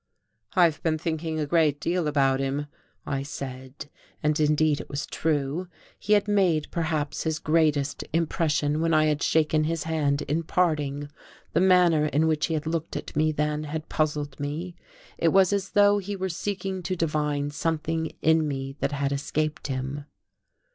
"I've been thinking a great deal about him," I said, and indeed it was true. He had made, perhaps, his greatest impression when I had shaken his hand in parting. The manner in which he had looked at me then had puzzled me; it was as though he were seeking to divine something in me that had escaped him.